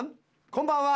こんばんは。